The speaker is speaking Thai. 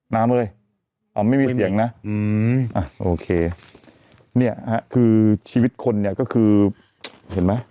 น้ำเอ้ยอ๋อไม่มีเสียงนะโอเคเนี่ยคือชีวิตคนเนี่ยก็คือเห็นไหม